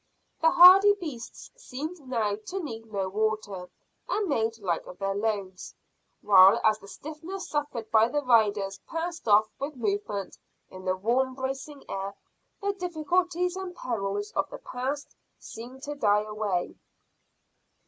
The hardy beasts seemed now to need no water, and made light of their loads, while as the stiffness suffered by the riders passed off with movement in the warm bracing air, the difficulties and perils of the past seemed to die away.